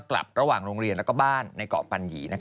กลับระหว่างโรงเรียนและบ้านในเกาะปัญหยี